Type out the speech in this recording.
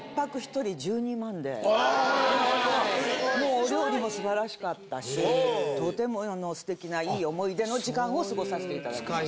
お料理も素晴らしかったしとても素敵ないい思い出の時間を過ごさせて頂きました。